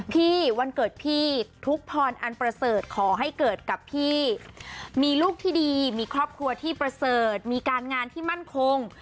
วันเกิดพี่ทุกพรอันประเสริฐขอให้เกิดกับพี่มีลูกที่ดีมีครอบครัวที่ประเสริฐมีการงานที่มั่นคง